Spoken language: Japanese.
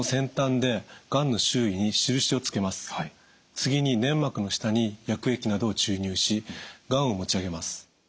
次に粘膜の下に薬液などを注入しがんを持ち上げます。